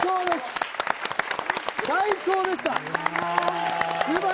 最高でした！